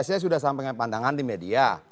saya sudah sampaikan pandangan di media